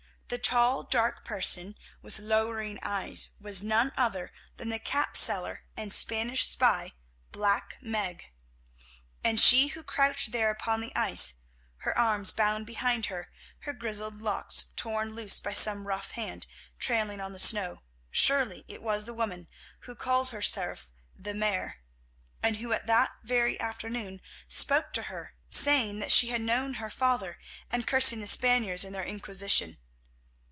The tall, dark person, with lowering eyes, was none other than the cap seller and Spanish spy, Black Meg. And she who crouched there upon the ice, her arms bound behind her, her grizzled locks, torn loose by some rough hand, trailing on the snow—surely it was the woman who called herself the Mare, and who that very afternoon spoke to her, saying that she had known her father, and cursing the Spaniards and their Inquisition.